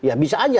ya bisa aja